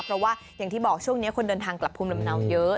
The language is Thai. เพราะว่าอย่างที่บอกช่วงนี้คนเดินทางกลับภูมิลำเนาเยอะ